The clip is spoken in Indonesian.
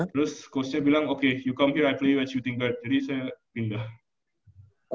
terus coachnya bilang okay you come here i play you as shooting guard jadi saya pindah